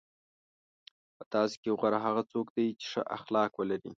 په تاسو کې غوره هغه څوک دی چې ښه اخلاق ولري.